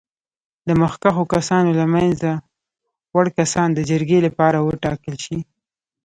د مخکښو کسانو له منځه وړ کسان د جرګې لپاره وټاکل شي.